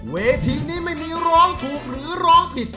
เวทีนี้ไม่มีร้องถูกหรือร้องผิด